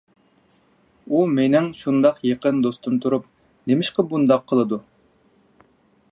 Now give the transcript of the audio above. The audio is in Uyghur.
ئۇ مېنىڭ شۇنداق يېقىن دوستۇم تۇرۇپ، نېمىشقا بۇنداق قىلىدۇ؟